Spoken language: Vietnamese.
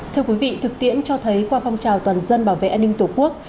thưa quý vị thực tiễn cho thấy qua phong trào toàn dân bảo vệ an ninh tổ quốc